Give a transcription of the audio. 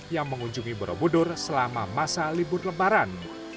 yang mengunjungi borobudur selama masa libur lebaran